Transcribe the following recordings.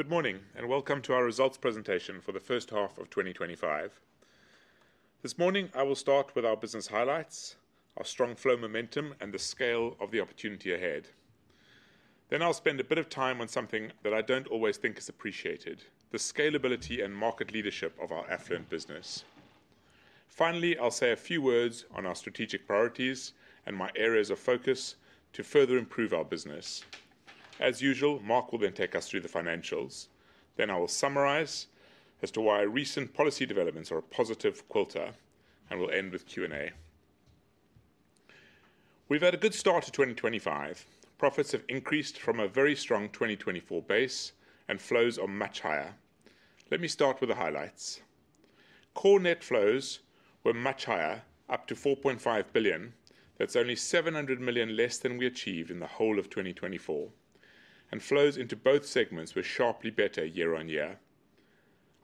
Good morning and welcome to our Results Presentation for the First Half of 2025. This morning I will start with our business highlights, our strong flow, momentum, and the scale of the opportunity ahead. I'll spend a bit of time on something that I don't always think is appreciated: the scalability and market leadership of our Affluent business. Finally, I'll say a few words on our strategic priorities and my areas of focus to further improve our business as usual. Mark will then take us through the financials. I will summarize as to why recent policy developments are a positive for Quilter and we'll end with Q and A. We've had a good start to 2025. Profits have increased from a very strong 2024 base and flows are much higher. Let me start with the highlights. Core net flows were much higher, up to 4.5 billion. That's only 700 million less than we achieved in the whole of 2024. Flows into both segments were sharply. Better year-on-year.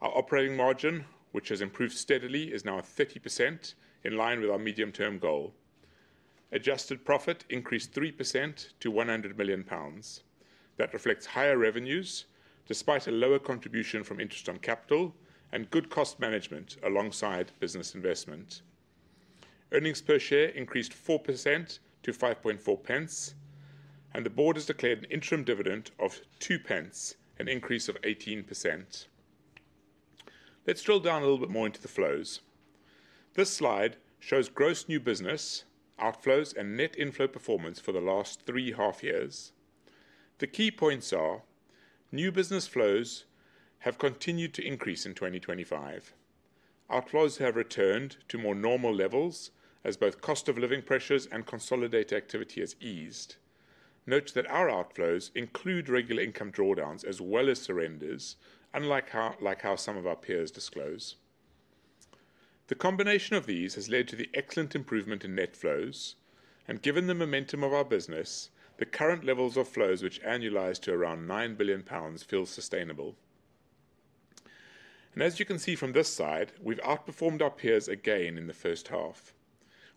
Our operating margin, which has improved steadily, is now 30% in line with our medium term goal. Adjusted profit increased 3% to 100 million pounds. That reflects higher revenues despite a lower contribution from interest on capital and good cost management. Alongside business investment, earnings per share increased 4% to 0.054 and the board has declared an interim dividend of 0.02, an increase of 18%. Let's drill down a little bit more into the flows. This slide shows gross new business outflows and net inflow performance for the last three half years. The key points are new business flows have continued to increase in 2025. Outflows have returned to more normal levels as both cost of living pressures and consolidated activity has eased. Note that our outflows include regular income drawdowns as well as surrenders. Unlike how some of our peers disclose, the combination of these has led to the excellent improvement in net flows. Given the momentum of our business, the current levels of flows, which annualize to around 9 billion pounds, feel sustainable. As you can see from this slide, we've outperformed our peers again in the first half.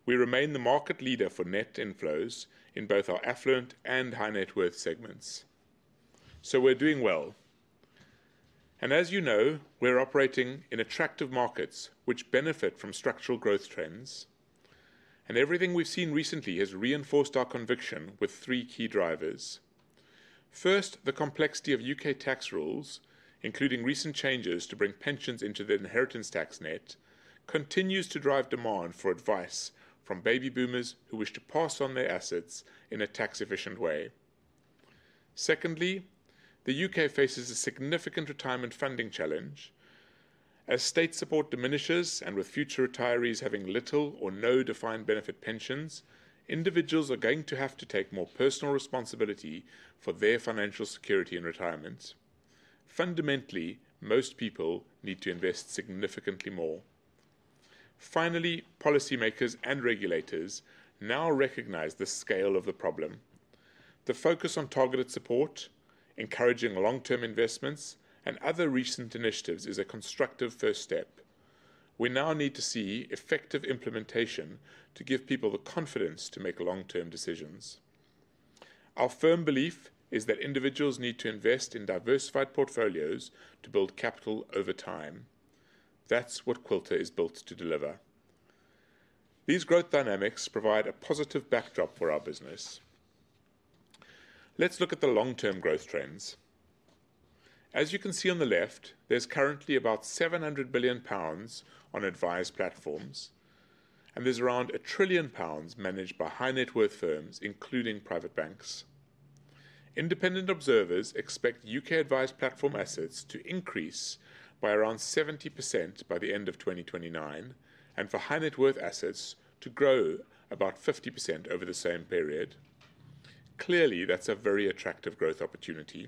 We remain the market leader for net inflows in both our Affluent and High Net Worth segments. We're doing well. As you know, we're operating in attractive markets which benefit from structural growth trends. Everything we've seen recently has reinforced our conviction with three key drivers. First, the complexity of U.K. tax rules, including recent changes to bring pensions into the inheritance tax net, continues to drive demand for advice from baby boomers who wish to pass on their assets in a tax efficient way. Secondly, the U.K. faces a significant retirement funding challenge as state support diminishes and with future retirees having little or no defined benefit pensions, individuals are going to have to take more personal responsibility for their financial security in retirement. Fundamentally, most people need to invest significantly more. Finally, policymakers and regulators now recognize the scale of the problem. The focus on targeted support, encouraging long term investments, and other recent initiatives is a constructive first step. We now need to see effective implementation to give people the confidence to make long term decisions. Our firm belief is that individuals need to invest in diversified portfolios to build capital over time. That's what Quilter is built to deliver. These growth dynamics provide a positive backdrop for our business. Let's look at the long term growth trends. As you can see on the left, there's currently about 700 billion pounds on advised platforms, and there's around 1 trillion pounds managed by High Net Worth firms, including private banks. Independent observers expect U.K. advised platform assets to increase by around 70% by the end of 2029 and for High Net Worth assets to grow about 50% over the same period. Clearly that's a very attractive growth opportunity.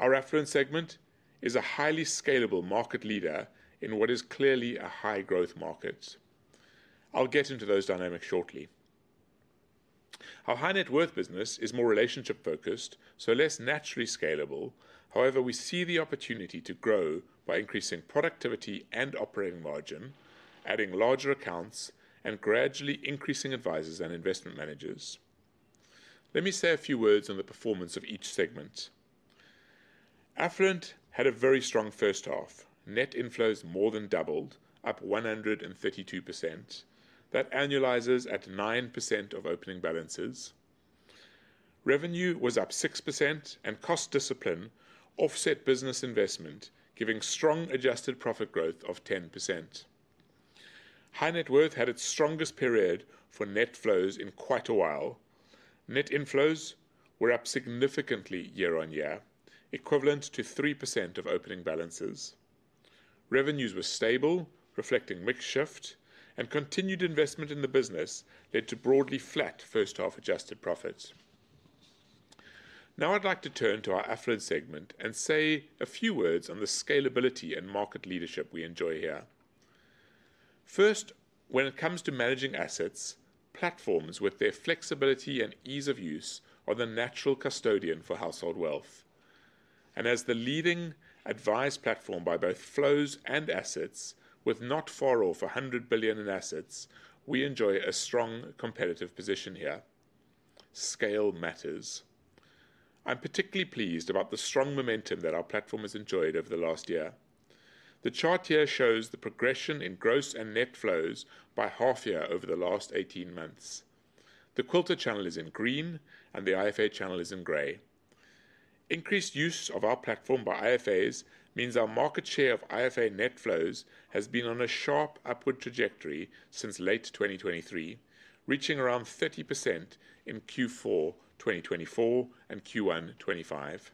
Our Affluent segment is a highly scalable market leader in what is clearly a high growth market. I'll get into those dynamics shortly. Our High Net Worth business is more. Relationship focused, so less naturally scalable. However, we see the opportunity to grow by increasing productivity and operating margin, adding larger accounts and gradually increasing advisors and investment managers. Let me say a few words on the performance of each segment. Affluent had a very strong first half. Net inflows more than doubled, up 132%. That annualizes at 9% of opening balances. Revenue was up 6% and cost discipline offset business investment, giving strong adjusted profit growth of 10%. High Net Worth had its strongest period for net flows in quite a while. Net inflows were up significantly year-on-year, equivalent to 3% of opening balances. Revenues were stable, reflecting mix shift, and continued investment in the business led to broadly flat first half adjusted profits. Now I'd like to turn to our Affluent segment and say a few words on the scalability and market leadership we enjoy here. First, when it comes to managing assets, platforms with their flexibility and ease of use are the natural custodian for household wealth and as the leading advised platform by both flows and assets. With not far off 100 billion in assets, we enjoy a strong competitive position here. Scale matters. I'm particularly pleased about the strong momentum that our platform has enjoyed over the last year. The chart here shows the progression in gross and net flows by half year over the last 18 months. The Quilter channel is in green and the IFA channel is in grey. Increased use of our platform by IFAs means our market share of IFA net flows has been on a sharp upward trajectory since late 2023, reaching around 30% in Q4 2024 and Q1 2025.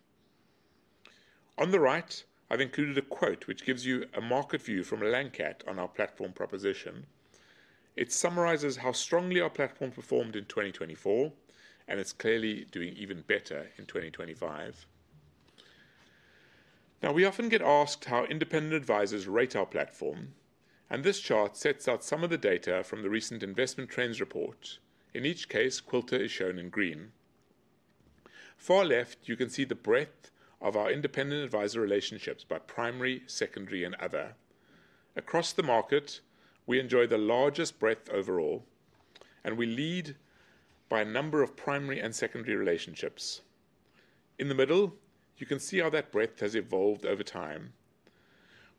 On the right, I've included a quote which gives you a market view from Lang Cat on our platform proposition. It summarizes how strongly our platform performed. In 2024 and it's clearly doing even better in 2025. Now, we often get asked how independent advisors rate our platform, and this chart sets out some of the data from the recent investment trends report. In each case, Quilter is shown in green. Far left, you can see the breadth of our independent advisor relationships by primary, secondary, and other. Across the market, we enjoy the largest breadth overall, and we lead by a number of primary and secondary relationships. In the middle, you can see how that breadth has evolved over time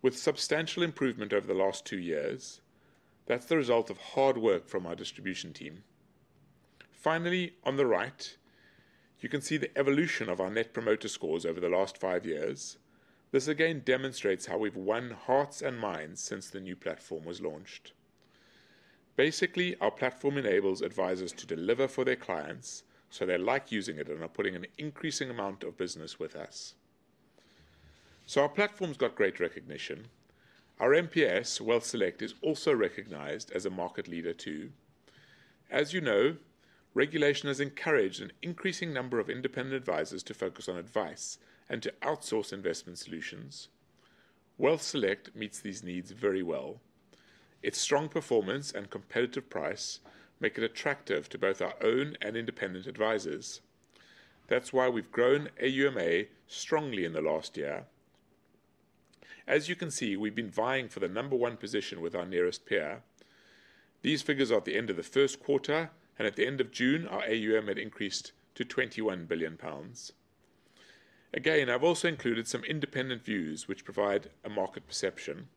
with substantial improvement over the last two years. That's the result of hard work from our distribution team. Finally, on the right, you can see the evolution of our net promoter scores over the last five years. This again demonstrates how we've won hearts and minds since the new platform was launched. Basically, our platform enables advisors to deliver for their clients, so they like using it and are putting an increasing amount of business with us. Our platform's got great recognition. Our WealthSelect MPS is also recognized. As a market leader, too. As you know, regulation has encouraged an increasing number of independent advisors to focus on advice and to outsource investment solutions. WealthSelect MPS meets these needs very well. Its strong performance and competitive price make it attractive to both our own and independent advisors. That's why we've grown AuMA strongly in the last year. As you can see, we've been vying for the number one position with our nearest peer. These figures are at the end of the first quarter, and at the end of June our AuMA had increased to 21 billion pounds. I've also included some independent views which provide a market perception.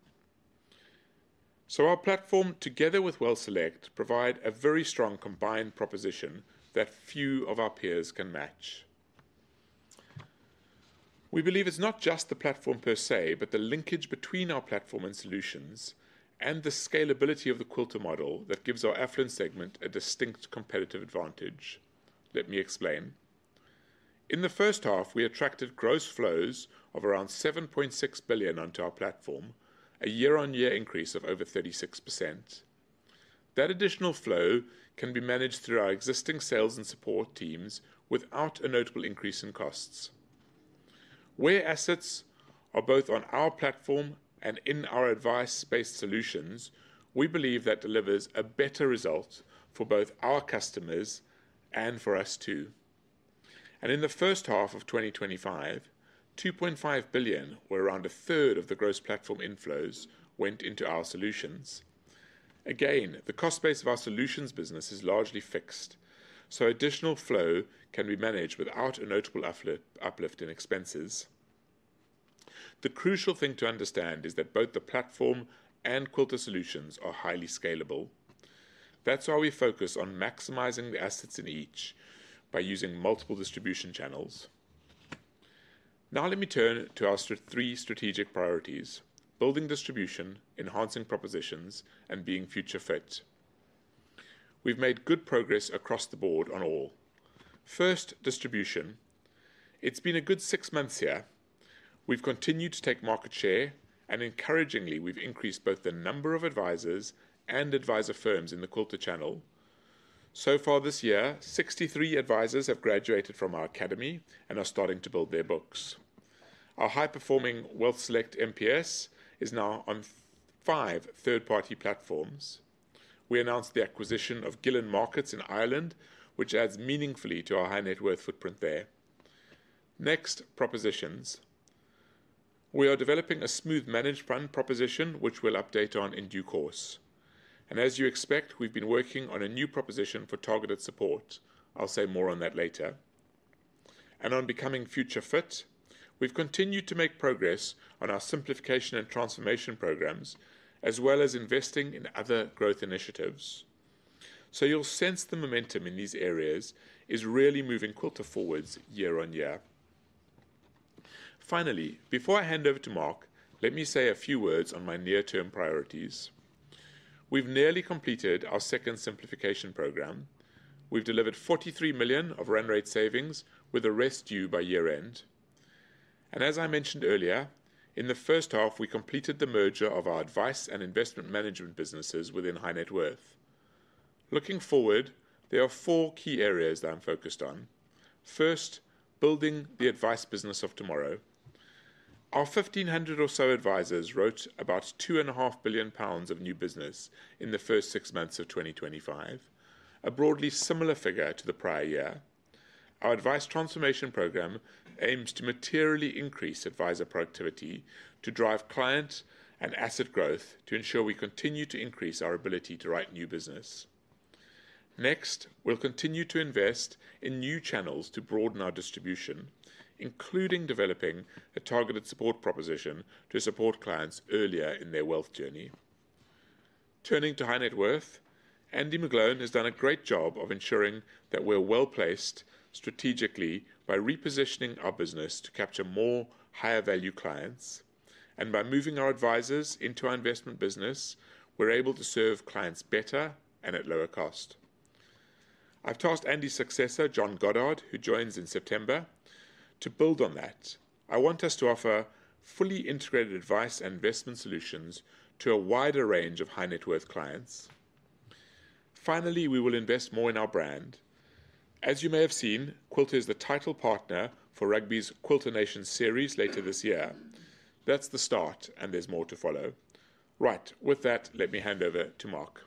Our platform together with WealthSelect MPS provide a very strong combined proposition that few of our peers can match. We believe it's not just the platform per se, but the linkage between our platform and solutions and the scalability of the Quilter model that gives our Affluent segment a distinct competitive advantage. Let me explain. In the first half, we attracted gross flows of around 7.6 billion onto our platform, a year-on-year increase of over 36%. That additional flow can be managed through our existing sales and support teams without a notable increase in costs. Where assets are both on our platform and in our advice-based solutions, we believe that delivers a better result for both our customers and for us too. In the first half of 2025, 2.5 billion, or around a third of the gross platform inflows, went into our solutions. The cost base of our solutions business is largely fixed, so additional flow can be managed without a notable uplift in expenses. The crucial thing to understand is that both the platform and Quilter solutions are highly scalable. That's why we focus on maximizing the assets in each by using multiple distribution channels. Now let me turn to our three strategic priorities building distribution, enhancing propositions, and being future fit. We've made good progress across the board on all. First, distribution. It's been a good six months here. We've continued to take market share, and encouragingly we've increased both the number of advisors and advisor firms in the Quilter channel. So far this year, 63 advisors have graduated from our Quilter Academy and are starting to build their books. Our high performing WealthSelect MPS is now on five third party platforms. We announced the acquisition of GillenMarkets in Ireland, which adds meaningfully to our High Net Worth footprint there. Next, propositions, we are developing a smooth managed fund proposition which we'll update on in due course. As you expect, we've been working on a new proposition for targeted support. I'll say more on that later. On becoming future fit, we've continued to make progress on our simplification and transformation programs as well as investing in other growth initiatives. You'll sense the momentum in these areas is really moving Quilter forwards year-on-year. Finally, before I hand over to Mark, let me say a few words on my near term priorities. We've nearly completed our second simplification program. We've delivered 43 million of run-rate savings with the rest due by year end. As I mentioned earlier, in the first half we completed the merger of our advice and investment management businesses within high net worth. Looking forward, there are four key areas that I'm focused on. First, building the advice business of tomorrow. Our 1,500 or so advisors wrote about 2.5 billion pounds of new business in the first six months. Of 2025, a broadly similar figure to the prior year. Our Advice Transformation Programme aims to materially increase advisor productivity to drive client and asset growth to ensure we continue to increase our ability to write new business. Next, we'll continue to invest in new channels to broaden our distribution, including developing a targeted support proposition to support clients earlier in their wealth journey. Turning to High Net Worth, Andy McGlone has done a great job of ensuring that we're well placed strategically. By repositioning our business to capture more higher value clients and by moving our advisors into our investment business, we're able to serve clients better and at lower cost. I've tasked Andy's successor, John Goddard, who joins in September, to build on that. I want us to offer fully integrated advice and investment solutions to a wider range of High Net Worth clients. Finally, we will invest more in our brand. As you may have seen, Quilter is the title partner for Rugby's Quilter Nation Series later this year. That's the start and there's more to follow. Right? With that, let me hand over to Mark.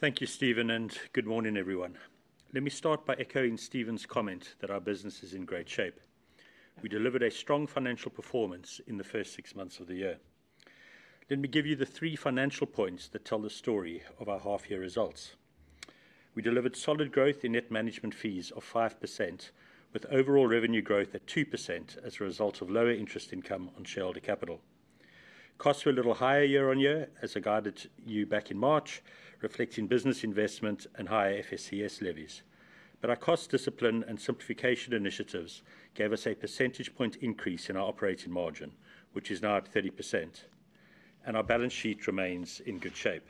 Thank you, Steven, and good morning, everyone. Let me start by echoing Steven's comment that our business is in great shape. We delivered a strong financial performance in the first six months of the year. Let me give you the three financial points that tell the story of our half year results. We delivered solid growth in net management fees of 5% with overall revenue growth at 2% as a result of lower interest income on shareholder capital. Costs were a little higher year-on-year as I guided you back in March, reflecting business investment and higher FSCS levies. Our cost discipline and simplification initiatives gave us a percentage point increase in our operating margin, which is now at 30%, and our balance sheet remains in good shape.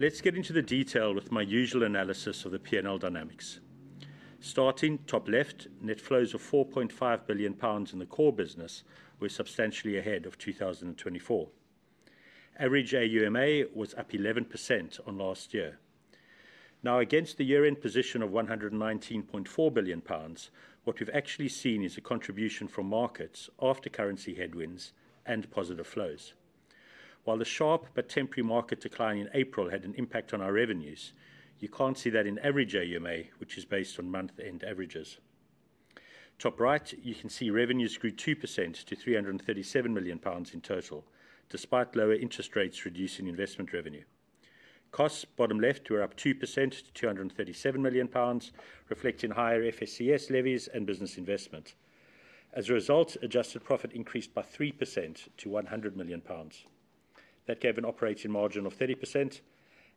Let's get into the detail with my usual analysis of the P&L dynamics. Starting top left, net flows of 4.5 billion pounds in the core business were substantially ahead of 2024 average AuMA was up 11% on last year, now against the year end position of 119.4 billion pounds. What we've actually seen is a contribution from markets after currency headwinds and positive flows. While the sharp but temporary market decline in April had an impact on our revenues, you can't see that in average AuMA, which is based on month end averages. Top right, you can see revenues grew 2% to 337 million pounds in total, despite lower interest rates reducing investment revenue. Costs, bottom left, were up 2% to 237 million pounds, reflecting higher FSCS levies and business investment. As a result, adjusted profit increased by 3% to 100 million pounds. That gave an operating margin of 30%,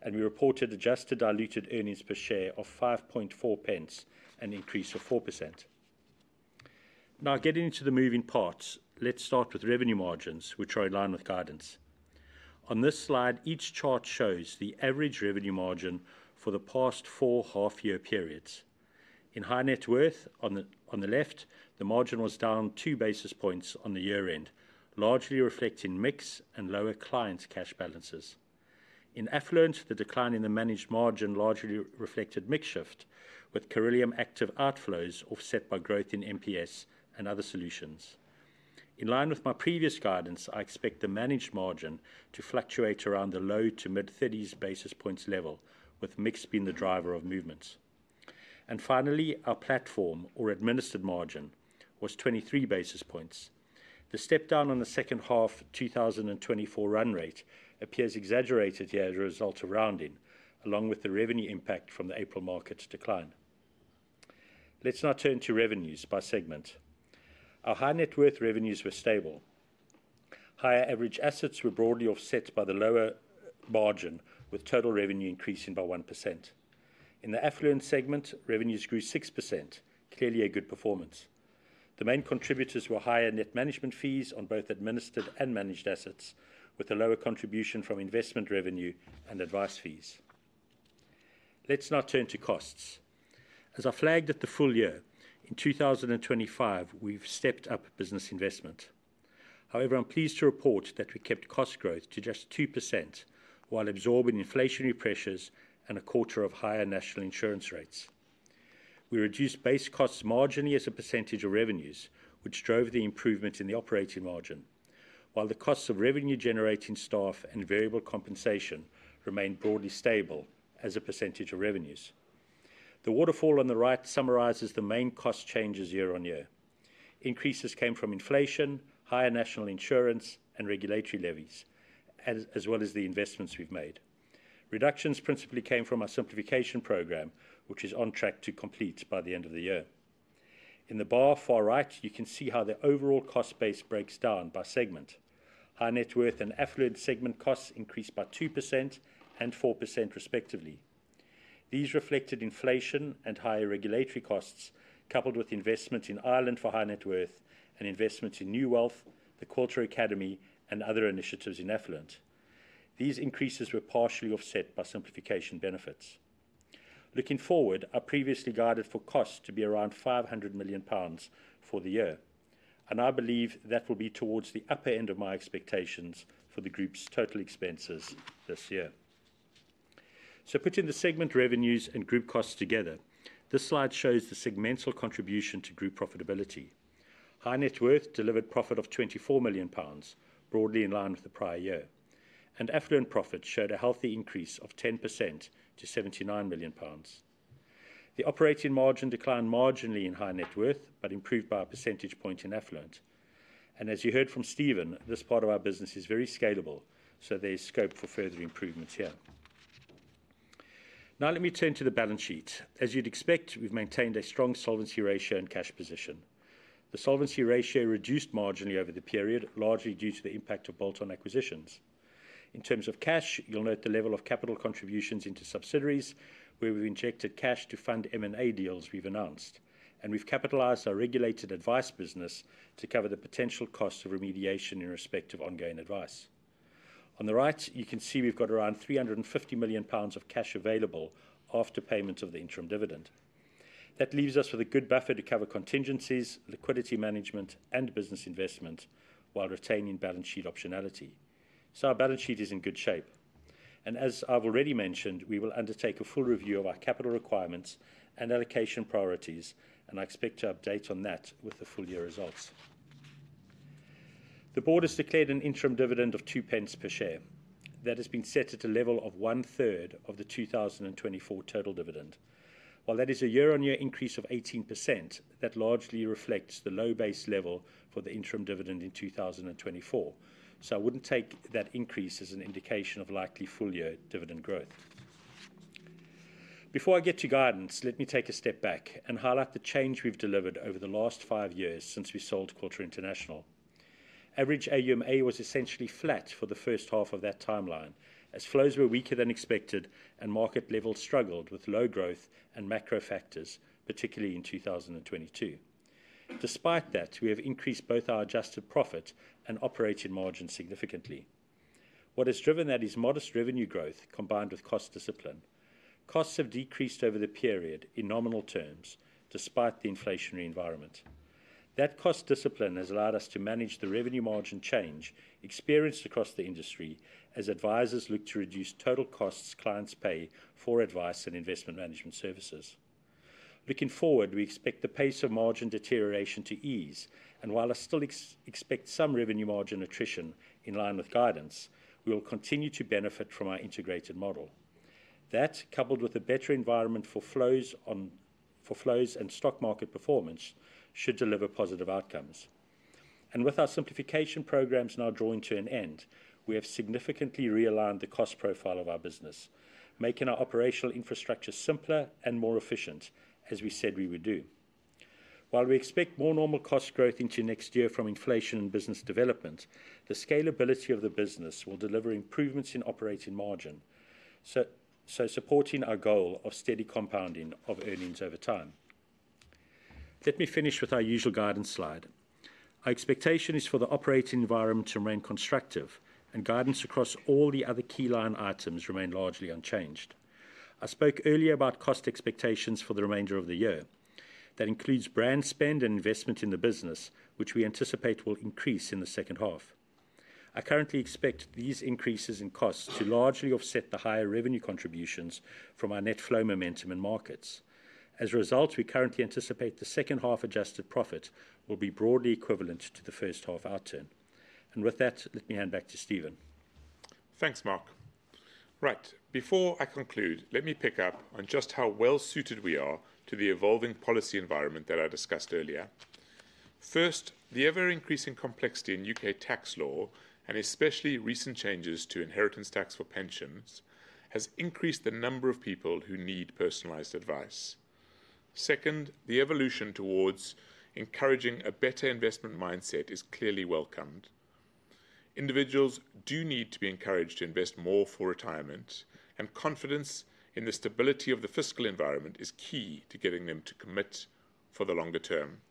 and we reported adjusted diluted earnings per share of 0.054 pence, an increase of 4%. Now, getting into the moving parts, let's start with revenue margins, which are in line with guidance on this slide. Each chart shows the average revenue margin for the past four half year periods. In high net worth, on the left, the margin was down 2 basis points on the year end, largely reflecting mix and lower client cash balances. In Affluent, the decline in the managed margin largely reflected mix shift, with Cirilium Active outflows offset by growth in MPS and other solutions. In line with my previous guidance, I expect the managed margin to fluctuate around the low to mid-30s basis points level, with mix being the driver of movements. Finally, our platform or administered margin was 23 basis points. The step down on the second half 2024 run rate appears exaggerated here as a result of rounding along with the revenue impact from the April market's decline. Let's now turn to revenues by segment. Our High Net Worth revenues were stable. Higher average assets were broadly offset by the lower margin, with total revenue increasing by 1%. In the Affluent segment, revenues grew 6%, clearly a good performance. The main contributors were higher net management fees on both administered and managed assets, with a lower contribution from investment revenue and advice fees. Let's now turn to costs. As I flagged at the full year, in 2025 we've stepped up business investment. However, I'm pleased to report that we kept cost growth to just 2% while absorbing inflationary pressures and a quarter of higher national insurance rates. We reduced base costs marginally as a percentage of revenues, which drove the improvement in the operating margin, while the costs of revenue generating staff and variable compensation remained broadly stable as a percentage of revenues. The waterfall on the right summarizes the main cost changes year-on-year. Increases came from inflation, higher national insurance, and regulatory levies as well as the investments we've made. Reductions principally came from our simplification program, which is on track to complete by the end of the year. In the bar far right, you can see how the overall cost base breaks down by segment. High Net Worth and Affluent segment costs increased by 2% and 4% respectively. These reflected inflation and higher regulatory costs coupled with investment in Ireland for High Net Worth and investments in new wealth, the Quilter Academy, and other initiatives in Affluent. These increases were partially offset by simplification benefits. Looking forward, I previously guided for costs to be around 500 million pounds for the year, and I believe that will be towards the upper end of my expectations for the group's total expenses this year. Putting the segment revenues and group costs together, this slide shows the segmental contribution to group profitability. High Net Worth delivered profit of 24 million pounds, broadly in line with the prior year, and Affluent profit showed a healthy increase of 10% to 79 million pounds. The operating margin declined marginally in high net worth, but improved by a percentage point in Affluent. As you heard from Steven, this part of our business is very scalable, so there's scope for further improvements here. Now let me turn to the balance sheet. As you'd expect, we've maintained a strong solvency ratio and cash position. The solvency ratio reduced marginally over the period, largely due to the impact of bolt-on acquisitions. In terms of cash, you'll note the level of capital contributions into subsidiaries where we've injected cash to fund M&A deals we've announced, and we've capitalized our regulated advice business to cover the potential cost of remediation in respect of ongoing advice. On the right, you can see we've got around 350 million pounds of cash available after payment of the interim dividend. That leaves us with a good buffer to cover contingencies, liquidity management, and business investment while retaining balance sheet optionality. Our balance sheet is in good shape, and as I've already mentioned, we will undertake a full review of our capital requirements and allocation priorities, and I expect to update on that with the full year results. The Board has declared an interim dividend of 0.02 per share that has been set at a level of one-third of the 2024 total dividend. While that is a year-on-year increase of 18%, that largely reflects the low base level for the interim dividend in 2024. I wouldn't take that increase as an indication of likely full year dividend growth. Before I get to guidance, let me take a step back and highlight the change we've delivered over the last five years since we sold Quilter International. Average AuMA was essentially flat for the first half of that timeline as flows were weaker than expected and market levels struggled with low growth and macro factors, particularly in 2022. Despite that, we have increased both our adjusted profit and operating margin significantly. What has driven that is modest revenue growth combined with cost discipline. Costs have decreased over the period in nominal terms despite the inflationary environment. That cost discipline has allowed us to manage the revenue margin change experienced across the industry as advisors look to reduce total costs, clients pay for advice and investment management services. Looking forward, we expect the pace of margin deterioration to ease. While I still expect some revenue margin attrition in line with guidance, we will continue to benefit from our integrated model that, coupled with a better environment for flows and stock market performance, should deliver positive outcomes. With our simplification programs now drawing to an end, we have significantly realigned the cost profile of our business, making our operational infrastructure simpler and more efficient, as we said we would do. While we expect more normal cost growth into next year from inflation and business development, the scalability of the business will deliver improvements in operating margin, supporting our goal of steady compounding of earnings over time. Let me finish with our usual guidance slide. Our expectation is for the operating environment to remain constructive and guidance across all the other key line items remains largely unchanged. I spoke earlier about cost expectations for the remainder of the year. That includes brand spend and investment in the business, which we anticipate will increase in the second half. I currently expect these increases in costs to largely offset the higher revenue contributions from our net flow momentum in markets. As a result, we currently anticipate the second half adjusted profit will be broadly equivalent to the first half outturn. With that, let me hand back to Steven. Thanks, Mark. Right, before I conclude, let me pick up on just how well suited we are to the evolving policy environment that I discussed earlier. First, the ever-increasing complexity in U.K. tax law, and especially recent changes to inheritance tax for pensions, has increased the number of people who need personalized advice. Second, the evolution towards encouraging a better investment mindset is clearly welcomed. Individuals do need to be encouraged to invest more for retirement, and confidence in the stability of the fiscal environment is key to getting them to commit for the longer term.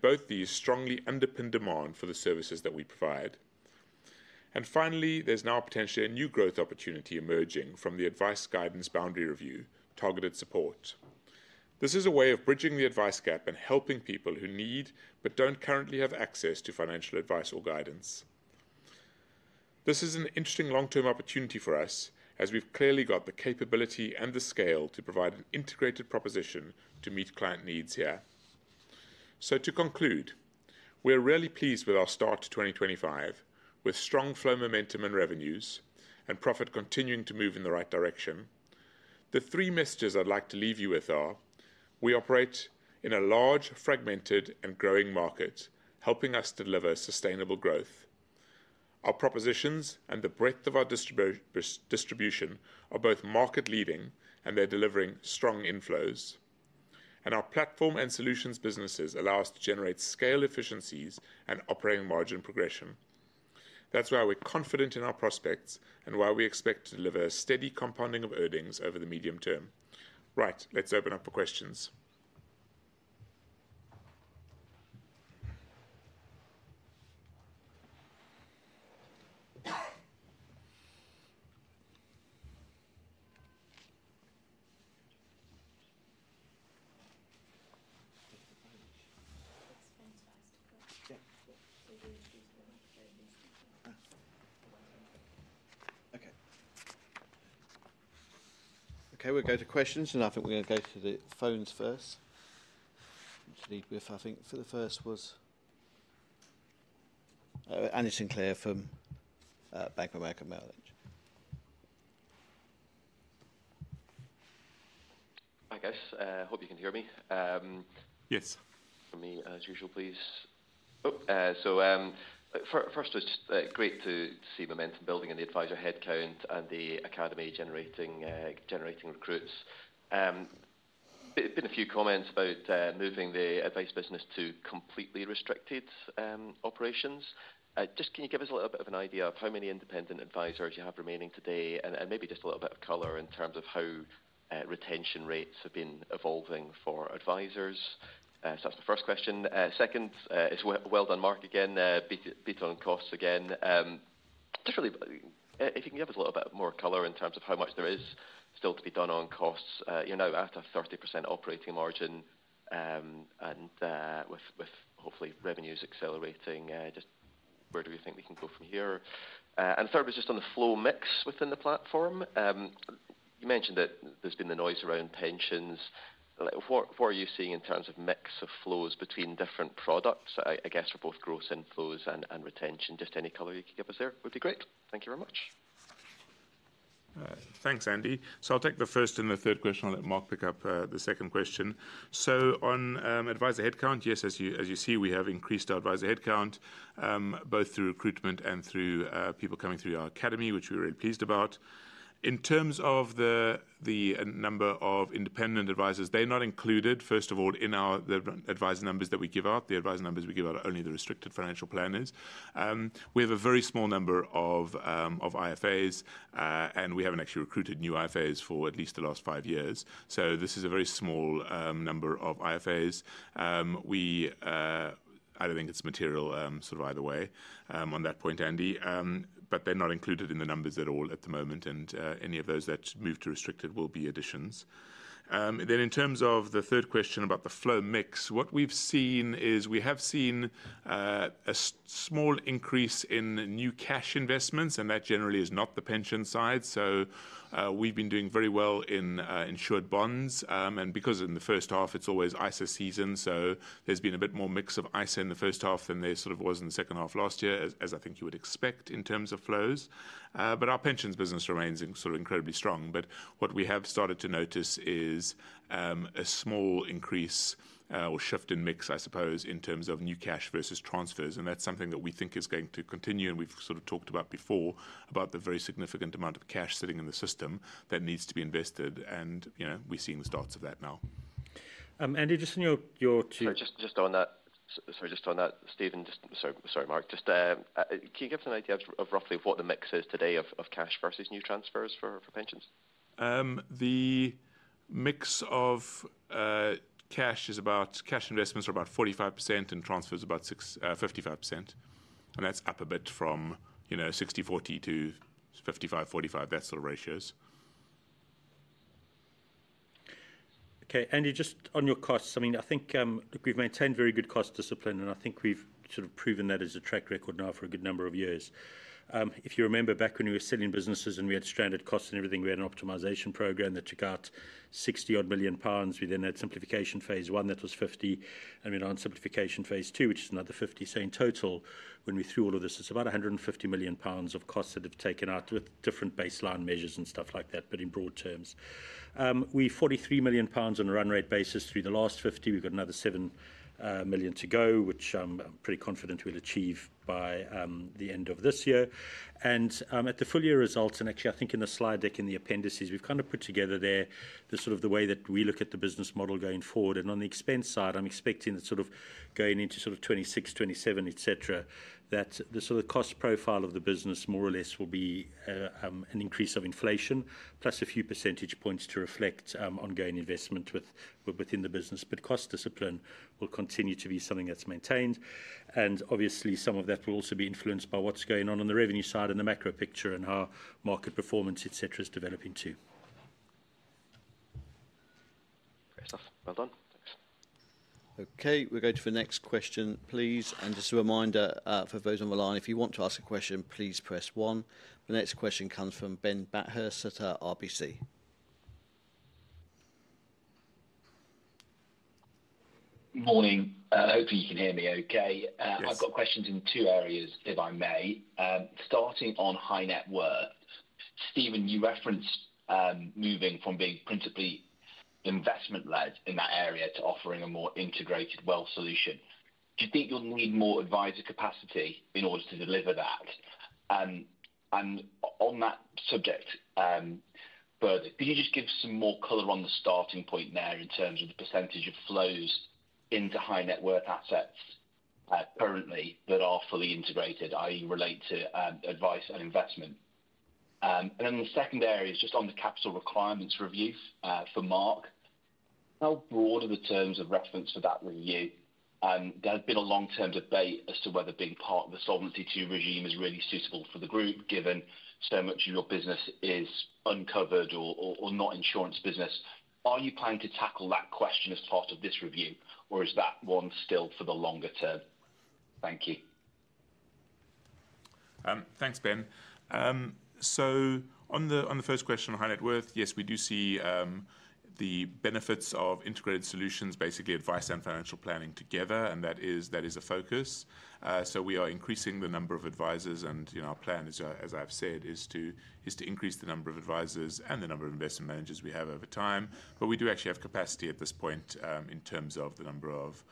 Both these strongly underpin demand for the services that we provide. Finally, there's now potentially a new growth opportunity emerging from the advice guidance boundary review targeted support. This is a way of bridging the advice gap and helping people who need but don't currently have access to financial advice or guidance. This is an interesting long term opportunity for us as we've clearly got the capability and the scale to provide an integrated proposition to meet client needs here. To conclude, we're really pleased with our start to 2025 with strong flow, momentum, and revenues and profit continuing to move in the right direction. The three messages I'd like to leave you with are we operate in a large, fragmented, and growing market, helping us deliver sustainable growth. Our propositions and the breadth of our distribution are both market leading and they're delivering strong inflows, and our platform and solutions businesses allow us to generate scale efficiencies and operating margin progression. That's why we're confident in our prospects and why we expect to deliver steady. Compounding of earnings over the medium term. Right, let's open up for questions. Okay, we'll go to questions and I think we're going to go to the phones. First to lead with, I think the first was Andy Sinclair from Bank of America Merrill Lynch. Hi guys. Hope you can hear me. Yes, for me as usual, please. First, it's great to see momentum building in the advisor headcount and the Quilter Academy generating recruits. There have been a few comments about moving the advice business to completely restricted operations. Can you give us a little bit of an idea of how many independent advisors you have remaining today and maybe just a little bit of color in terms of how retention rates have been evolving for advisors? That's the first question. Second, well done, Mark. Again, beat on costs again. If you can give us a little bit more color in terms of how much there is still to be done on costs, you're now at a 30% operating margin and with hopefully revenues accelerating. Where do we think we can go from here? Third was just on the flow mix within the platform. You mentioned that there's been the noise around tensions. What are you seeing in terms of mix of flows between different products? I guess for both gross inflows and retention, any color you could give us, there would be great. Thank you very much. Thanks, Andy. I'll take the first and the third question. I'll let Mark pick up the second question. On advisor headcount, yes, as you see, we have increased our advisor headcount both through recruitment and through people coming through our Quilter Academy, which we're really pleased about. In terms of the number of independent advisors, they're not included, first of all, in our advisor numbers that we give out. The advisor numbers we give out are only the restricted financial planners. We have a very small number of IFAs, and we haven't actually recruited new IFAs for at least the last five years. This is a very small number of IFAs. I don't think it's material either way on that point, Andy, but they're not included in the numbers at all at the moment, and any of those that move to restricted will be additions. In terms of the third question. About the flow mix, what we've seen. We have seen a small increase in new cash investments, and that generally is not the pension side. We have been doing very well in insured bonds. In the first half, it's always ISA season, so there's been a bit more mix of ISA in the first half than there was in the second half last year, as I think you would expect in terms of flows. Our pensions business remains incredibly strong. What we have started to notice is a small increase or shift in mix, I suppose, in terms of new cash versus transfers. That's something that we think is going to continue. We have talked before about the very significant amount of cash sitting in the system that needs to be invested. We're seeing the starts of that now. Andy, just in your. Sorry, just on that, Steven. Sorry, Mark, can you give us an idea of roughly what the mix is today of cash versus new transfers for pensions? The mix of cash is about cash investments are about 45% and transfers about 55%, and that's up a bit from 60:40 to 55:45. That's the ratios. Okay. Andy, just on your costs, I mean, I think we've maintained very good cost discipline and I think we've sort of proven that as a track record now for a good number of years. If you remember back when we were selling businesses and we had stranded costs and everything, we had an optimization program that took out 60 million pounds within that simplification phase one, that was 50 million and we now had simplification phase two, which is another 50 million. In total, when we threw all of this, it's about 150 million pounds of costs that have taken out different baseline measures and stuff like that. In broad terms, we are 43 million pounds on a run-rate basis through the last 50 million, we've got another 7 million to go, which I'm pretty confident we'll achieve by the end of this year and at the full year results. I think in the slide deck in the appendices, we've kind of put together there the sort of the way that we look at the business model going forward and on the expense side, I'm expecting that sort of going into 2026, 2027, etc. that the sort of cost profile of the business more or less will be an increase of inflation plus a few percentage points to reflect ongoing investment within the business. Cost discipline will continue to be something that's maintained and obviously some of that will also be influenced by what's going on on the revenue side and the macro picture and how market performance, etc., is developing too. Great stuff. Thanks. Okay, we're going to the next question, please. Just a reminder for those on the line, if you want to ask a question, please press one. The next question comes from Ben Bathurst at RBC. Morning. Hopefully you can hear me. Okay, I've got questions in two areas if I may. Starting on high net worth. Steven, you referenced moving from being principally investment led in that area to offering a more integrated wealth solution. Do you think you'll need more advisor capacity in order to deliver that? On that subject further, could you just give some more color on the starting point there in terms of the percentage of flows into High Net Worth assets currently that are fully integrated, that is related to advice and investment. The second area is just on the capital requirements review for Mark. How broad are the terms of reference for that review? There's been a long term debate as to whether being part of the solver regime is really suitable for the group. Given so much of your business is uncovered or not, insurance business. Are you planning to tackle that question as part of this review or is that one still for the longer term? Thank you. Thanks, Ben. On the first question, high net. Yes, we do see the benefits of integrated solutions, basically advice and financial planning together, and that is a focus. We are increasing the number of advisors, and our plan, as I've said, is to increase the number of advisors and the number of investment managers we have over time. We do actually have capacity at this point in terms of the number of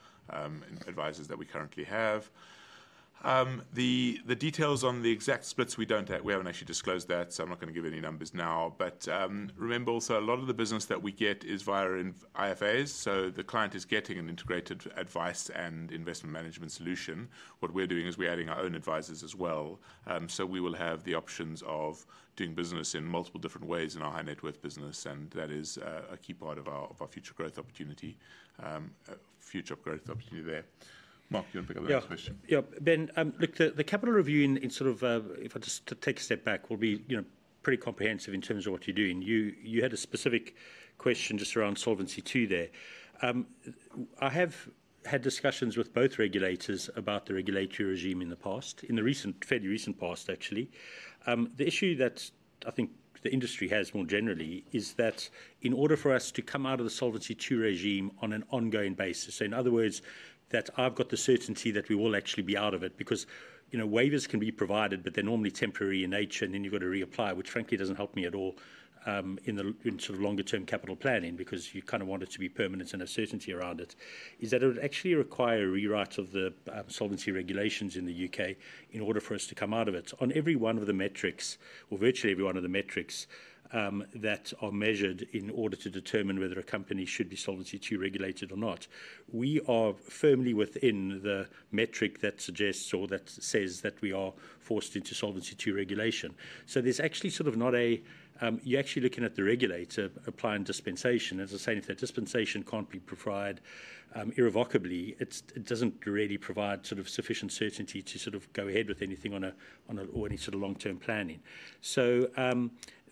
advisors that we currently have. The details on the exact splits, we haven't actually disclosed that. I'm not going to give any numbers now. Remember also, a lot of the business that we get is via IFAs, so the client is getting an integrated advice and investment management solution. What we're doing is adding our own advisors as well. We will have the options of doing business in multiple different ways in our High Net Worth business, and that is a key part of our future growth opportunity. Mark, you want to think about the question? Yeah, Ben, look, the capital review, if I just take a step back, will be pretty comprehensive in terms of what we're doing. You had a specific question just around Solvency II there. I have had discussions with both regulators about the regulatory regime in the past, in the fairly recent past actually. The issue that I think the industry has more generally is that in order for us to come out of the Solvency II regime on an ongoing basis, in other words, that I've got the certainty that we will actually be out of it because waivers can be provided, but they're normally temporary in nature and then you've got to reapply, which frankly doesn't help me at all in longer term capital planning because you want it to be permanent. Uncertainty around it is that it would actually require a rewrite of the solvency regulations in the U.K. in order for us to come out of it. On every one of the metrics, or virtually every one of the metrics that are measured in order to determine whether a company should be Solvency II regulated or not, we are firmly within the metric that suggests or that says that we are forced into Solvency II regulation. There's actually not a, you're actually looking at the regulator applying dispensation. If that dispensation can't be provided irrevocably, it doesn't really provide sufficient certainty to go ahead with anything or any sort of long term planning.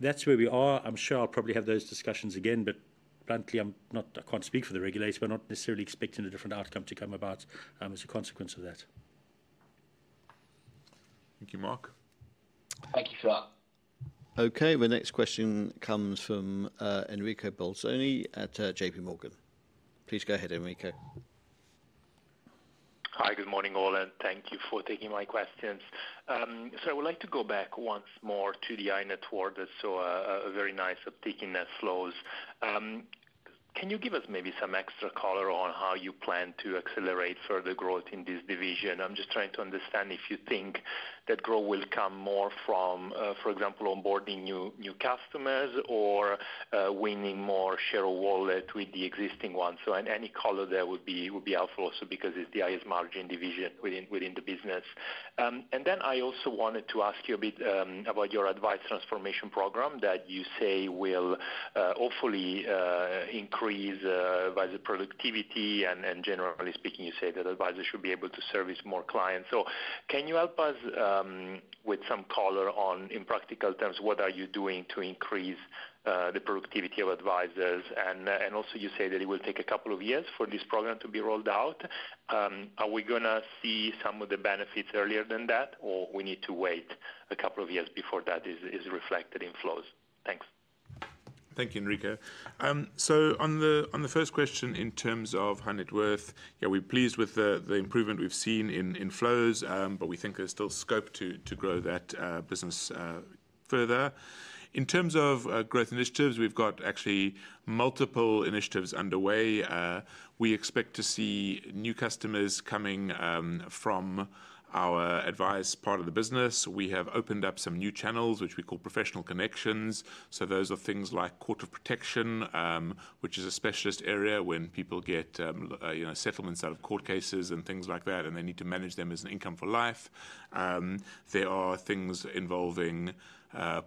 That's where we are. I'm sure I'll probably have those discussions again, but bluntly I can't speak for the regulator, but not necessarily expecting a different outcome to come about as a consequence of that. Thank you, Mark. Okay, the next question comes from Enrico Bolzoni at JPMorgan. Please go ahead, Enrico. Hi, good morning all and thank you for taking my questions. I would like to go back once more to the High Net Worth world that saw very nice net flows. Can you give us maybe some extra color on how you plan to accelerate further growth in this division? I'm just trying to understand if you think that growth will come more from, for example, onboarding new customers or winning more share of wallet with the existing ones. Any color there would be helpful also because it's the highest margin division within the business. I also wanted to ask you a bit about your Advice Transformation Programme that you say will hopefully increase advisor productivity and generally speaking you say that advisors should be able to service more clients. Can you help us with some color on, in practical terms, what are you doing to increase the productivity of advisors? You also say that it will take a couple of years for this program to be rolled out. Are we going to see some of the benefits earlier than that or do we need to wait a couple of years before that is reflected in flows? Thanks. Thank you, Enrico. On the first question in terms of high net worth, we're pleased with. The improvement we've seen in flows, but we think there's still scope to grow that business further. In terms of growth initiatives, we've got actually multiple initiatives underway. We expect to see new customers coming from our advice part of the business. We have opened up some new channels, which we call professional connections. Those are things like Court of Protection, which is a specialist area when people get settlements out of court cases and things like that, and they need to manage them as an income for life. There are things involving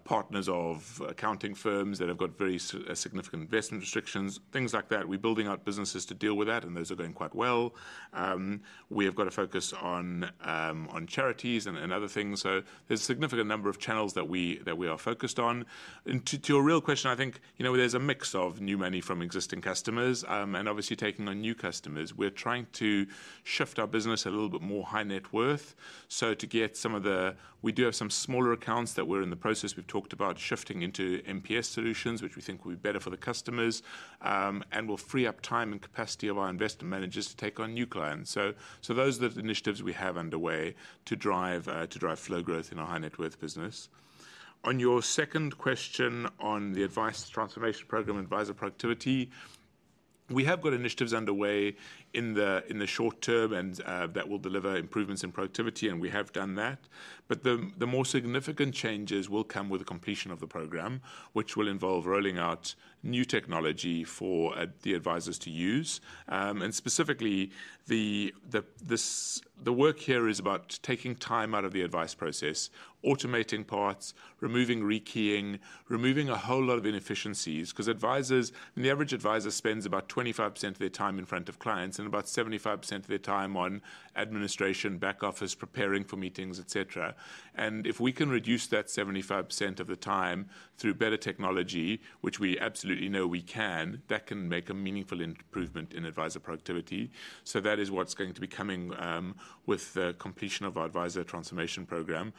partners of accounting firms that have got very significant investment. Restrictions, things like that. We're building out businesses to deal with that, and those are going quite well. We have got a focus on charities and other things. There is a significant number of channels. That we are focused on. To your real question, I think you. There's a mix of new money from existing customers and obviously taking on new customers. We're trying to shift our business a little bit more High Net Worth to get some of the. We do have some smaller accounts. We're in the process. We've talked about shifting into MPS solutions, which we think will be better for the customers. Will free up time and capacity. Our investment managers to take on new clients. Those are the initiatives we have underway to drive flow growth in our High Net Worth business. On your second question on the advice. Transformation program, advisor productivity, we have got initiatives underway in the short term that will deliver improvements in productivity. We have done that. The more significant changes will come with the completion of the program, which will involve rolling out new technology for the advisers to use, specifically. The work here is about taking time out of the advice process. Automating parts, removing re-keying, removing a. Whole lot of inefficiencies. Advisors, the average advisor spends about 25% of their time in front of clients and about 75% of their time on administration, back office, preparing for meetings, etc. If we can reduce that 75% of the time through better technology, which we absolutely know we can, that can make a meaningful improvement in advisor productivity. That is what's going to be coming with the completion of our Advice Transformation Programme.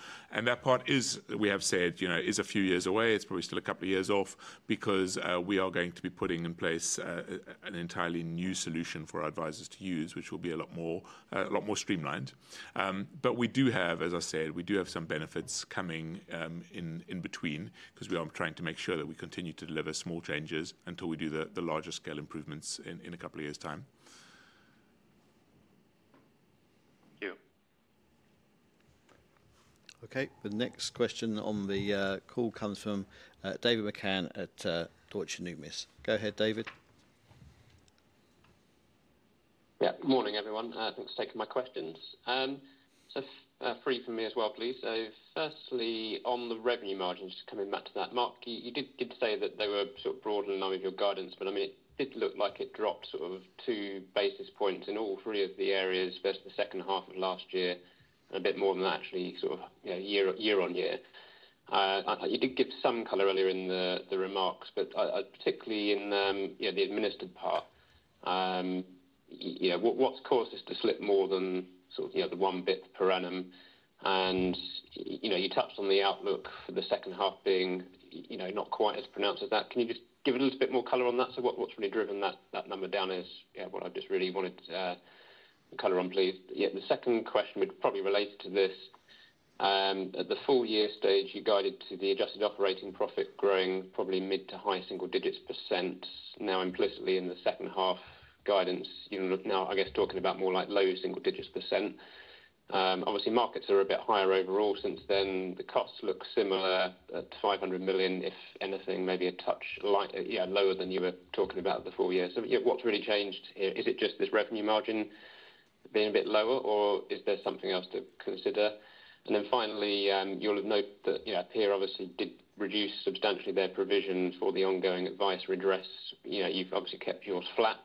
That part is, we have said, is a few years away, it's probably still a couple of years off because we are going to be putting in place an entirely new solution for our advisors to use, which will be a lot more streamlined. We do have, as I said, we do have some benefits coming in between because we are trying to make sure that we continue to deliver small changes until we do the larger scale improvements in a couple of years' time. Okay, the next question on the call comes from David McCann at Deutsche Numis. Go ahead, David. Yeah, morning everyone. Thanks for taking my questions. That's three from me as well, please. Firstly, on the revenue margins, coming back to that, Mark, you did say that they were sort of broadening your guidance, but it did look like it dropped sort of two basis points in all three of the areas versus the second half of last year, a bit more than actually sort of year-on-year. You did give some color earlier in the remarks, but particularly in the administered part, what's caused us to slip more than the 1 basis point per annum? You touched on the outlook for the second half being not quite as pronounced as that. Can you just give a little bit more color on that? What's really driven that number down is what I just really wanted color on, please. The second question would probably relate to this. At the full year stage, you guided to the adjusted operating profit growing probably mid to high single digits percent. Now, implicitly in the second half guidance, you look now, I guess, talking about more like low single digits percent. Obviously, markets are a bit higher overall since then. The costs look similar at 500 million, if anything maybe a touch lower than you were talking about for the full year. What's really changed? Is it just this revenue margin being a bit lower, or is there something else to consider? Finally, you'll have noted that here, obviously, did reduce substantially their provisions for the ongoing advice redress. You've obviously kept yours flat.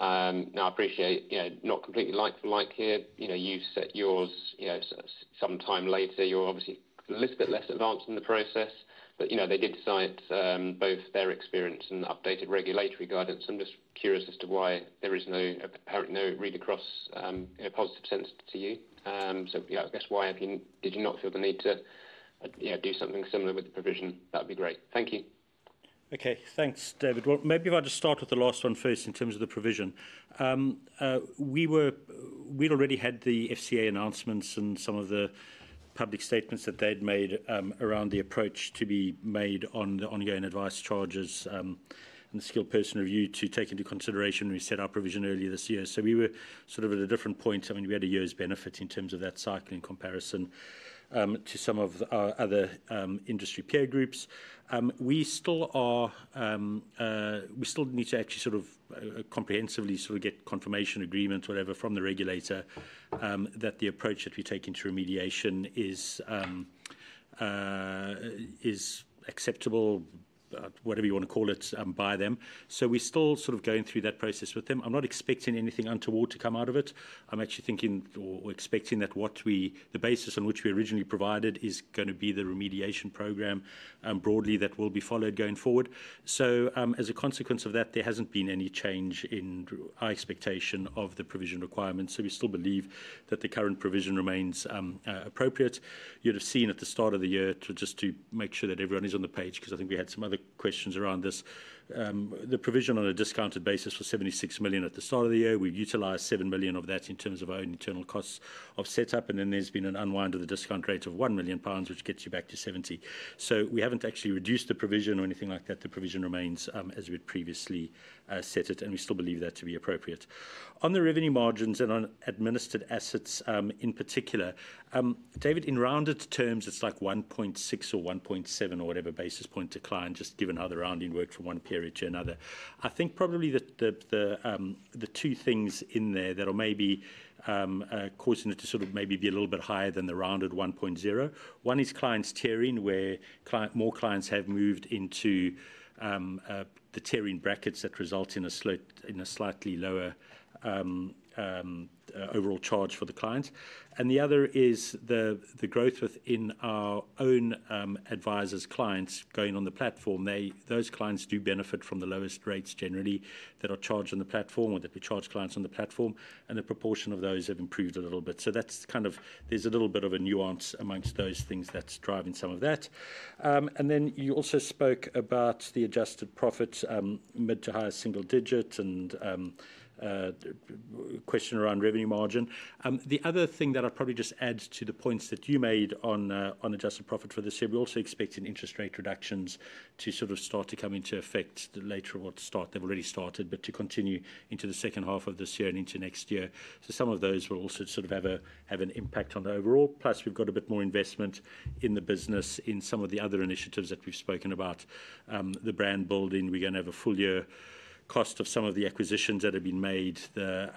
Now, I appreciate, you know, not completely like for like here. You've set yours, you know, sometime later. You're obviously a little bit less advanced in the process. They did cite both their experience and updated regulatory guidance. I'm just curious as to why there is no apparent, no read across positive sense to you. I guess, why have you not, did you not feel the need to do something similar with the provision? That'd be great. Thank you. Okay, thanks, David. Maybe if I just start with the last one first. In terms of the provision, we'd already had the FSCA announcements and some of the public statements that they'd made around the approach to be made on the ongoing advice charges and the skilled person review to take into consideration. We set our provision earlier this year so we were at a different point. I mean we had a year's benefit in terms of that cycle in comparison to some of our other industry peer groups. We still need to actually comprehensively get confirmation agreements, whatever from the regulator that the approach that we take into remediation is acceptable, whatever you want to call it by them. We're still going through that process with them. I'm not expecting anything untoward to come out of it. I'm actually thinking or expecting that the basis on which we originally provided is going to be the remediation program broadly that will be followed going forward. As a consequence of that, there hasn't been any change in our expectation of the provision requirements. We still believe that the current provision remains appropriate. You'd have seen at the start of the year, just to make sure that everyone is on the page because I think we had some other questions around this. The provision on a discounted basis was 76 million at the start of the year. We utilized 7 million of that in terms of our internal costs of setup. Then there's been an unwind of the discount rate of 1 million pounds which gets you back to 70 million. We haven't actually reduced the provision or anything like that. The provision remains as we'd previously set it and we still believe that to be appropriate. On the revenue margins and on administered assets in particular, David, in rounded terms it's like 1.6 or 1.7 or whatever basis point decline, just given how the rounding worked from one period to another. I think probably the two things in there that are maybe causing it to be a little bit higher than the rounded 1.0 basis point. One is clients tiering where more clients have moved into the tiering brackets that result in a slightly lower overall charge for the client. The other is the growth within our own advisors' clients going on the platform. Those clients do benefit from the lowest rates generally that are charged on the platform or that we charge clients on the platform, and the proportion of those have improved a little bit. There's a little bit of a nuance amongst those things that's driving some of that. You also spoke about the adjusted profit mid to highest single digits budget and question around revenue margin. The other thing that I'd probably just add to the points that you made on adjusted profit for this year, we also expect interest rate reductions to sort of start to come into effect later or at the start—they've already started—but to continue into the second half of this year and into next year. Some of those will also sort of have an impact overall. Plus, we've got a bit more investment in the business. In some of the other initiatives that we've spoken about, the brand building, we're going to have a full year cost of some of the acquisitions that have been made. The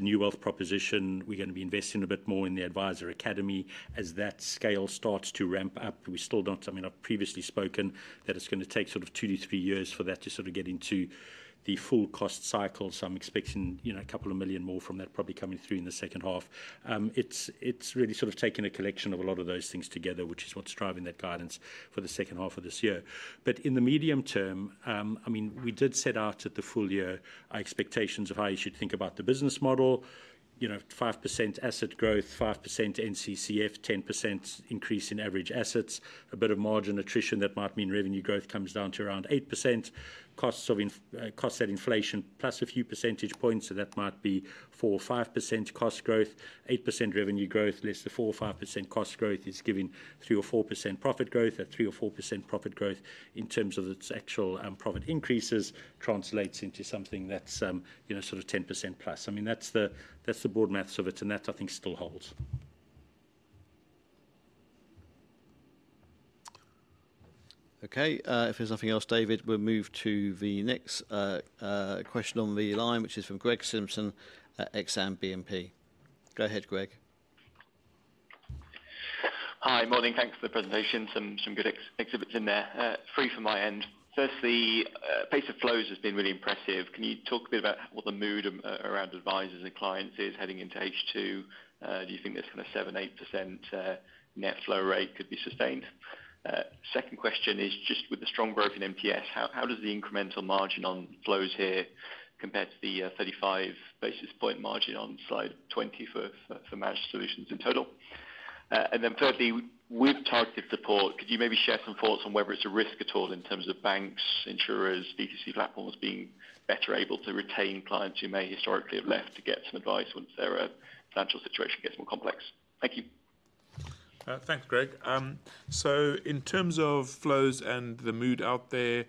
new wealth proposition, we're going to be investing a bit more in the Quilter Academy as that scale starts to ramp up. I've previously spoken that it's going to take sort of two to three years for that to sort of get into the full cost cycle. I'm expecting a couple of million more from that probably coming through in the second half. It's really sort of taken a collection of a lot of those things together, which is what's driving that guidance for the second half of this year. In the medium term, we did set out at the full year expectations of how you should think about the business model: 5% asset growth, 5% NCCF, 10% increase in average assets, a bit of margin attrition. That might mean revenue growth comes down to around 8%, costs at inflation plus a few percentage points. That might be 4% or 5% cost growth, 8% revenue growth less than 4% or 5% cost growth is giving 3% or 4% profit growth. At 3% or 4% profit growth in terms of its actual profit increases translates into something that's 10%+. That's the board maths of it, and that I think still holds. Okay, if there's nothing else, David, we'll move to the next question on the line, which is from Greg Simpson at Exane BNP. Go ahead, Greg. Hi morning. Thanks for the presentation. Some good exhibits in there. Free from my end. First, the pace of flows has been really impressive. Can you talk a bit about what? The mood around advisors and clients is heading into H2. Do you think this kind of 7% to 8% net flow rate could be sustained? Second question is just with the strong growth in MPS, how does the incremental margin on flows here compare to the 35 basis point margin on slide 20 for managed solutions in total? Thirdly, we've targeted the port. Could you maybe share some thoughts on whether it's a risk at all in terms of banks, insurers, DTC platforms being better able to retain clients who may historically have left to get some advice. Once their financial situation gets more complex? Thank you. Thanks Greg. In terms of flows and the mood out there,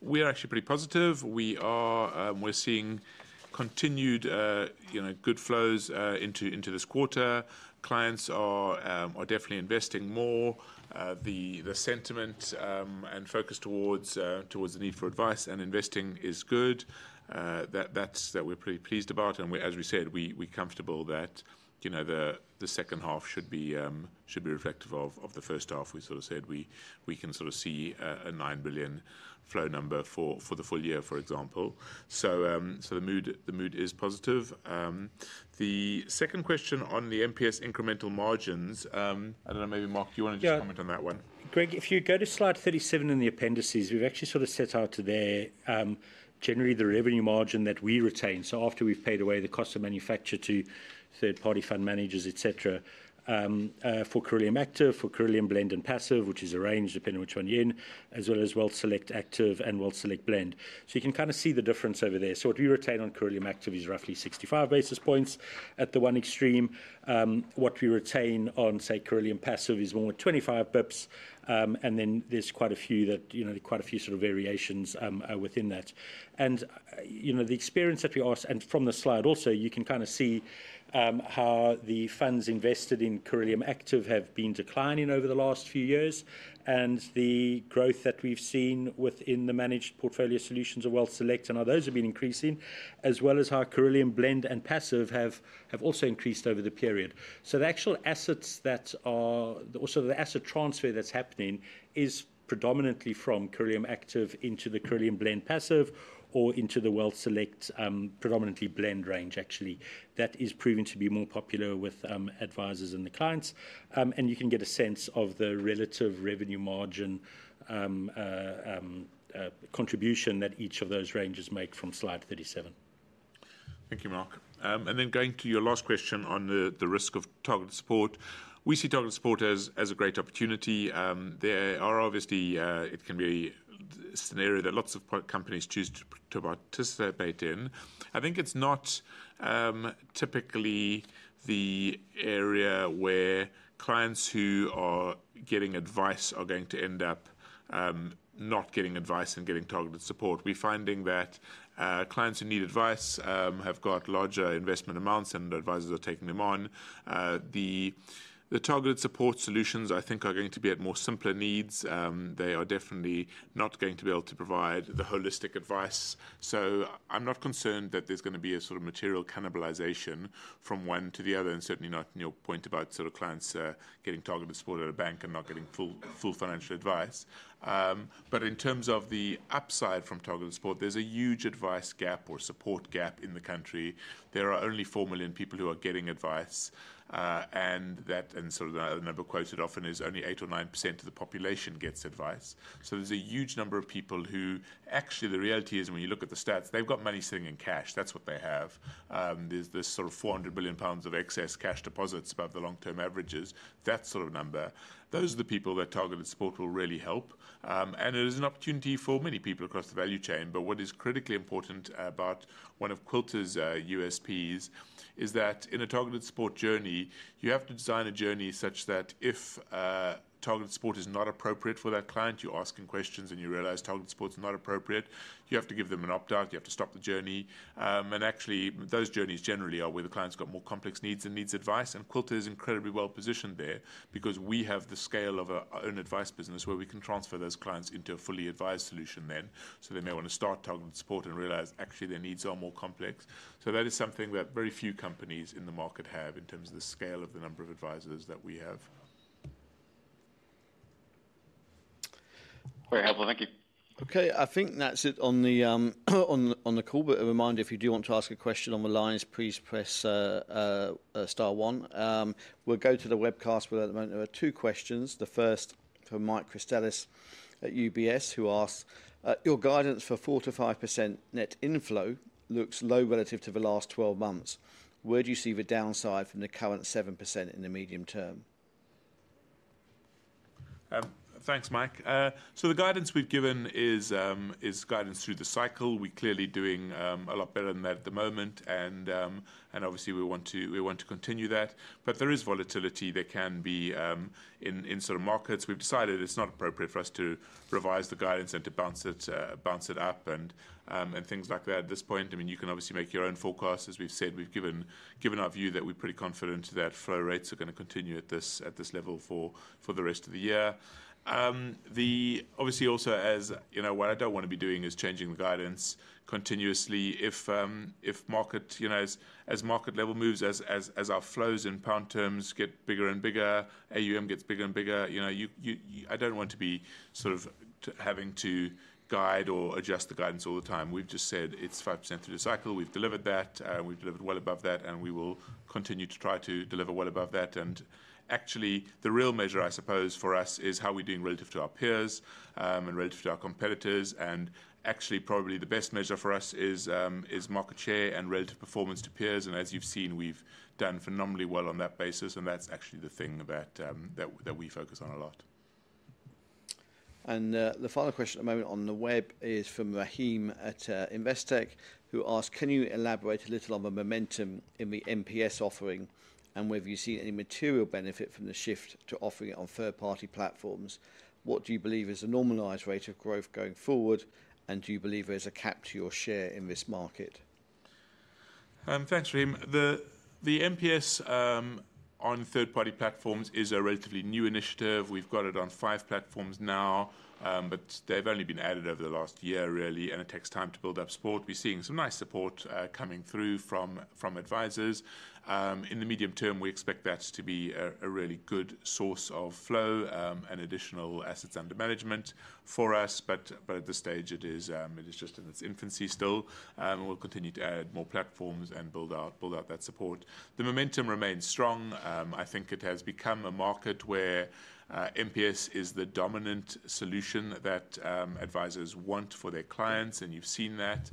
we are actually pretty positive. We're seeing continued good flows into this quarter, clients are definitely investing more. The sentiment and focus towards the need for advice and investing is good, which we're pretty pleased about. As we said, we're comfortable that the second half should be reflective of the first half. We sort of said we can sort of see a 9 billion flow number for the full year, for example. The mood is positive. The second question on the NPS incremental margins. I don't know, maybe Mark, you want to comment on that one. Greg, if you go to slide 37 in the appendices, we've actually sort of set out there generally the revenue margin that we retain. After we've paid away the cost of manufacture to third party fund managers, etc. for Cirilium Active, for Cirilium Blend and Passive, which is a range depending which one you're in, as well as WealthSelect Active and WealthSelect Blend, you can kind of see the difference over there. What we retain on Cirilium Active is roughly 65 basis points at the one extreme. What we retain on, say, Cirilium Active is more like 25 basis points. There are quite a few variations within that. From the slide, you can kind of see how the funds invested in Cirilium Active have been declining over the last few years and the growth that we've seen within the managed portfolio solutions of WealthSelect and how those have been increasing, as well as how Cirilium Blend and Passive have also increased over the period. The actual assets that are, and also the asset transfer that's happening, is predominantly from Cirilium Active into the Cirilium Blend Passive or into the WealthSelect predominantly Blend range. That is proving to be more popular with advisors and the clients. You can get a sense of the relative revenue margin contribution that each of those ranges make from slide 37. Thank you, Mark. Going to your last question. On the risk of targeted support, we see target support as a great opportunity. There are obviously scenarios that lots of companies choose to participate in. I think it's not typically the area where clients who are getting advice are going to end up not getting advice and getting targeted support. We're finding that clients who need advice have got larger investment amounts and advisors are taking them on. The targeted support solutions I think are going to be at more simpler needs. They are definitely certainly not going to be able to provide the holistic advice. I'm not concerned that there's going to be a sort of material cannibalization from one to the other. Certainly not in your point about sort of clients getting targeted support at a bank and not getting full financial advice. In terms of the upside from targeted support, there's a huge advice gap or support gap in the country. There are only 4 million people who are getting advice. The number quoted often is only 8% or 9% of the population gets advice. There's a huge number of people who actually the reality is when you look at the stats, they've got money sitting in cash. That's what they have. There's this sort of 400 billion pounds of excess cash deposits above the long-term averages. That sort of number. Those are the people that targeted support will really help. It is an opportunity for many people across the value chain. What is critically important about one of Quilter's USPs is that in a targeted support journey, you have to design a journey such that if targeted support is not appropriate for that client, you're asking questions and you realize targeted support is not appropriate. You have to give them an opt out, you have to stop the journey. Actually, those journeys generally are where the client's got more complex needs and needs advice. Quilter is incredibly well positioned there because we have the scale of our own advice business where we can transfer those clients into a fully advised solution then. They may want to start targeted support and realize actually their needs are more complex. That is something that very few companies in the market have in terms of the scale of the number of advisors that we have. Very helpful, thank you. Okay, I think that's it on the call. A reminder, if you do want to ask a question on the lines, please press Star one. We'll go to the webcast. At the moment there are two questions. The first for Mike Christelis at UBS who asks, your guidance for 4%-5% net inflow looks low relative to the last 12 months. Where do you see the downside from the current 7% in the medium term? Thanks, Mike. The guidance we've given is guidance through the cycle. We're clearly doing a lot better than that at the moment, and obviously we want to continue that there is volatility. There can be in sort of markets. We've decided it's not appropriate for us to revise the guidance and to bounce it up and things like that at this point. I mean, you can obviously make your own forecast, as we've said. We've given our view that we're pretty confident that flow rates are going to continue at this level for the rest of the year. Obviously, also, as you know, what I don't want to be doing is changing the guidance continuously. If market level moves, as our flows in pound terms get bigger and bigger, AUM gets bigger and bigger. I don't want to be having to guide or adjust the guidance all the time. We've just said it's 5% through the cycle. We've delivered that, we've delivered well above that and we will continue to try to deliver well above that. Actually, the real measure I suppose for us is how we're doing relative to our peers and relative to our competitors. Probably the best measure for us is market share and relative performance to peers. As you've seen, we've done phenomenally well on that basis. That's actually the thing that we focus on a lot. The final question at the moment on the web is from Rahim at Investec, who asked, can you elaborate a little on the momentum in the MPS offering and whether you see any material benefit from the shift to offering it on third party platforms? What do you believe is a normalized rate of growth going forward, and do you believe there's a cap to your share in this market? Thanks, Rahim. The MPS on third party platforms is a relatively new initiative. We've got it on five platforms now, but they've only been added over the last year really. It takes time to build up support. We're seeing some nice support coming through from advisors. Medium term, we expect that to be a really good source of flow and additional assets under management for us. At this stage it is just in its infancy still. We'll continue to add more platforms and build out that support. The momentum remains strong. I think it has become a market where MPS is the dominant solution that advisors want for their clients. You've seen that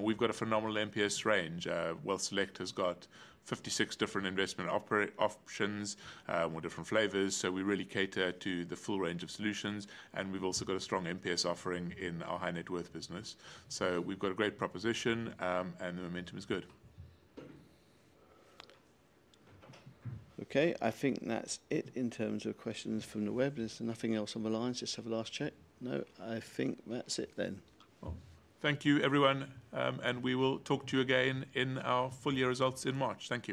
we've got a phenomenal MPS range. WealthSelect has got 56 different investment options or different flavors. We really cater to the full range of solutions. We've also got a strong MPS offering in our High Net Worth business. We've got a great proposition and the momentum is good. Okay, I think that's it in terms of questions from the web. Is there nothing else on the lines? Just have a last check. No, I think that's it then. Thank you everyone and we will talk to you again in our full year results in March. Thank you.